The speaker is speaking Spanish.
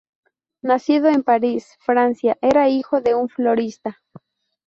Nacido en París, Francia, era hijo de un florista.